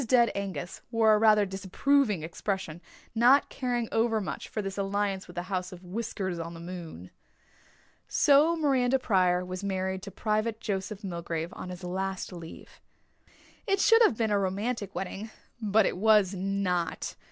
Dead Angus wore a rather disapproving expression, not caring over much for this alliance with the house of Whiskers on the moon. So Miranda Pryor was married to Private Joseph Milgrave on his last leave. It should have been a romantic wedding but it was not.